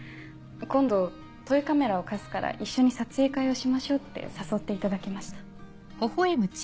今度トイカメラを貸すから一緒に撮影会をしましょうって誘っていただきました。